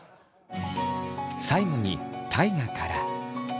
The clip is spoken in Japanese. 最後に大我から。